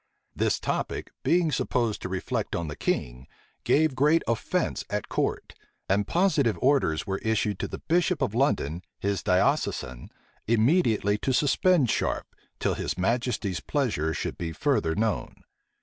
This topic, being supposed to reflect on the king, gave great offence at court; and positive orders were issued to the bishop of London, his diocesan, immediately to suspend Sharpe, till his majesty's pleasure should be further known.